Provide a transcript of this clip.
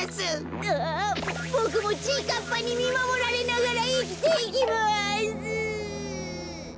ああボクもちぃかっぱにみまもられながらいきていきます。